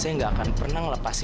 aku bukan barang mas